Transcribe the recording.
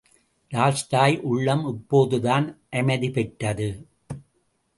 Tolstoy உள்ளம் இப்போதுதான் அமைதி பெற்றது.